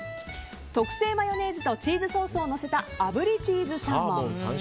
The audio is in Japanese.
特製マヨネーズとチーズソースをのせたあぶりチーズサーモン。